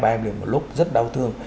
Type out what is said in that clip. hai ba em liền một lúc rất đau thương